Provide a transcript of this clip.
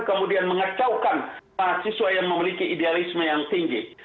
kemudian mengecaukan mahasiswa yang memiliki idealisme yang tinggi